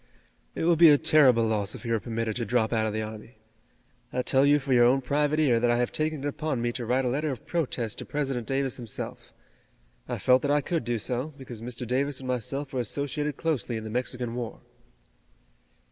"It would be a terrible loss if he were permitted to drop out of the army. I tell you for your own private ear that I have taken it upon me to Write a letter of protest to President Davis himself. I felt that I could do so, because Mr. Davis and myself were associated closely in the Mexican War."